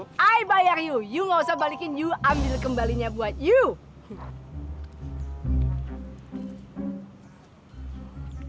saya bayar yuk yuk nggak usah balikin yuk ambil kembalinya buat yuk